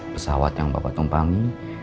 pesawat yang bapak tumpangi